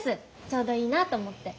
ちょうどいいなと思って。